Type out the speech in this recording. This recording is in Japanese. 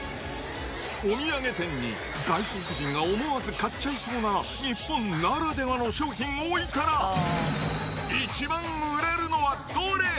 お土産店に外国人が思わず買っちゃいそうな日本ならではの商品を置いたら、一番売れるのはどれ？